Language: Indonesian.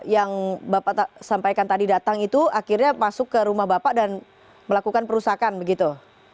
yang bapak sampaikan tadi datang itu akhirnya masuk ke rumah bapak dan melakukan perusakan begitu